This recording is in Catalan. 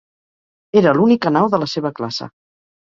Era l'única nau de la seva classe.